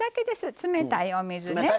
冷たいお水。